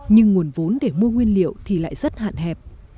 nhưng nguồn vốn để mua nguyên liệu thì lại rất hạn hẹp